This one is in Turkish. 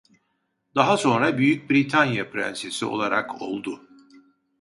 Daha sonra Büyük Britanya Prensesi olarak oldu.